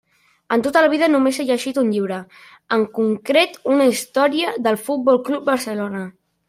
En tota la vida només he llegit un llibre, en concret una història del Futbol Club Barcelona.